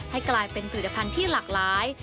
ให้กลายเป็นผลิตภัณฑ์ที่หลากหลาย